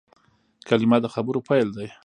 کلیمه د خبرو پیل دئ.